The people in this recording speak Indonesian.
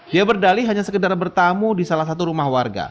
dia berdali hanya sekedar bertamu di salah satu rumah warga